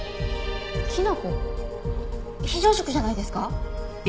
きな粉非常食じゃないですか？